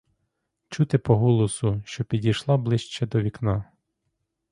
Чути по голосу, що підійшла ближче до вікна.